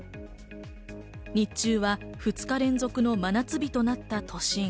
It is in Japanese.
日中は２日連続の真夏日となった都心。